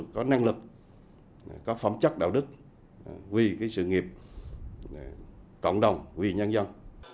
có năng lực có phóng chất đạo đức huy sự nghiệp cộng đồng huy nhân dân